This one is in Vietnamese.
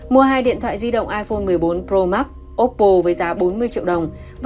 mua hai điện thoại di động iphone một mươi bốn pro max opple với giá bốn mươi triệu đồng